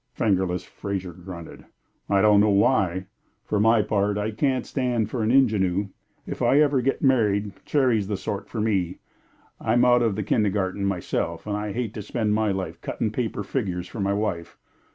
"Fingerless" Fraser grunted. "I don't know why. For my part, I can't stand for an ingenue. If ever I get married, Cherry's the sort for me. I'm out of the kindergarten myself, and I'd hate to spend my life cutting paper figures for my wife.